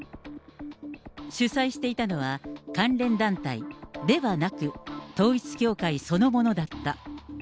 主催していたのは関連団体ではなく、統一教会そのものだった。